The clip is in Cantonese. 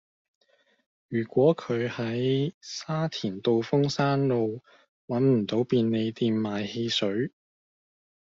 如果佢喺沙田道風山路搵唔到便利店買汽水